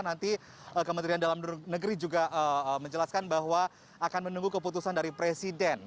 nanti kementerian dalam negeri juga menjelaskan bahwa akan menunggu keputusan dari presiden